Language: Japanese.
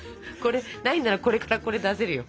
ないんならこれからこれ出せるよ！